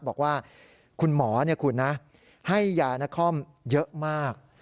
บอกว่าคุณหมอคุณนะให้ยานครเยอะมาก